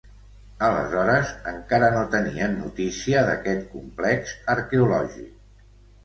Aleshores encara no tenien notícia d'aquest complex arqueològic.